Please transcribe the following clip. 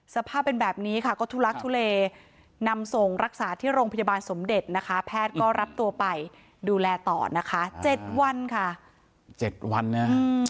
ศาสตร์ที่โรงพยาบาลสมเด็จนะคะแพทย์ก็รับตัวไปดูแลต่อนะคะเจ็ดวันค่ะเจ็ดวันน่ะ